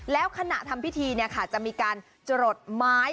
แล้วขณะทำพิธีจะมีการจรดไม้